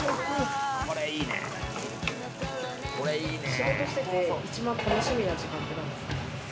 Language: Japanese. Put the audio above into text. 仕事してて一番楽しみな時間は？